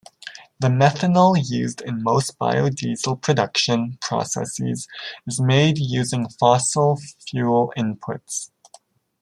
The methanol used in most biodiesel production processes is made using fossil fuel inputs.